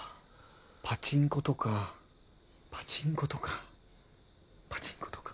パチンコとかパチンコとかパチンコとか？